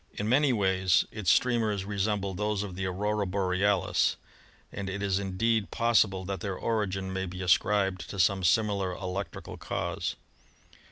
In many ways its streamers resemble those of the Aurora Borealis, and it is indeed possible that their origin may be ascribed to some similar electrical cause.